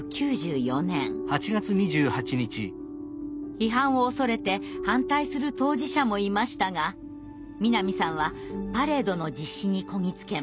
批判を恐れて反対する当事者もいましたが南さんはパレードの実施にこぎ着けます。